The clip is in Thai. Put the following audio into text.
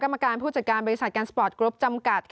กรรมการผู้จัดการบริษัทแกนสปอร์ตกรุ๊ปจำกัด